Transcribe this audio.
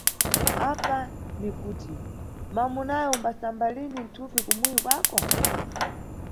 Apa ni kuti mwamunawe umbasamba lini mthupi kumuyi kwako?